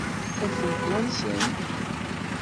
Ad ten-wansent?